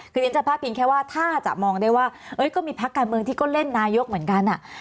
คือเรียนจะพาดพิงแค่ว่าถ้าจะมองได้ว่าก็มีพักการเมืองที่ก็เล่นนายกเหมือนกัน